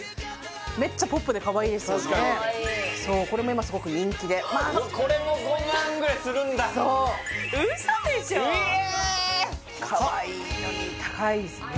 めっちゃポップでかわいいですよねこれも今すごく人気でこれも５万ぐらいするんだそう嘘でしょ？え！